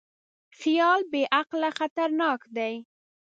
خیال بېعقله خطرناک دی.